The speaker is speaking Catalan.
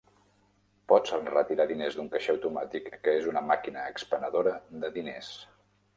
Pots retirar diners d'un caixer automàtic, que és una màquina expenedora de diners